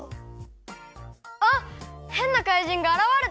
あっへんなかいじんがあらわれた！